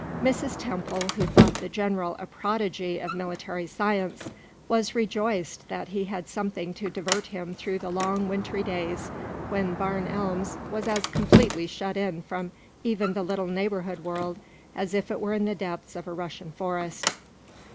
Mrs. Temple, who thought the general a prodigy of military science, was rejoiced that he had something to divert him through the long wintry days, when Barn Elms was as completely shut in from even the little neighborhood world as if it were in the depths of a Russian forest.